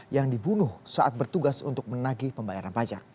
yang dibunuh saat bertugas untuk menagih pembayaran pajak